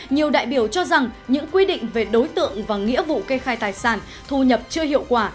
nhiều đại biểu cho rằng những quy định về đối tượng và nghĩa vụ kê khai tài sản thu nhập chưa hiệu quả